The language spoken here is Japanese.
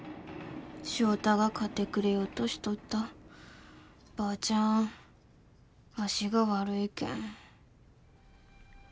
翔太が買ってくれようとしとったばーちゃん足が悪いけん